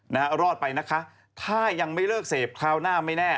รอดไปนะคะถ้ายังไม่เลิกเสพคราวหน้าไม่แน่